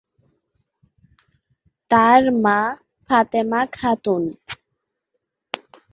তার মা ফাতেমা খাতুন।